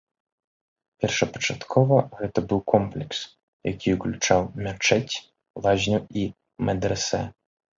Першапачаткова гэта быў комплекс, які ўключаў мячэць, лазню і медрэсэ.